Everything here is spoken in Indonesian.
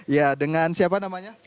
ya dengan siapa namanya